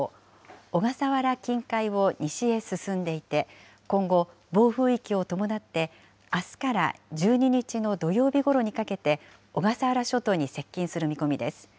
小笠原近海を西へ進んでいて、今後、暴風域を伴って、あすから１２日の土曜日ごろにかけて、小笠原諸島に接近する見込みです。